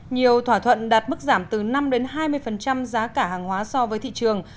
nhiều thỏa thuận đạt mức giảm từ năm hai mươi giá cả hàng hóa so với thị trường